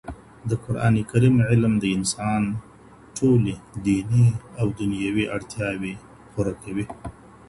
د قرآن کريم علم د انسان ټولي ديني او دنيوي اړتياوي پوره کوي.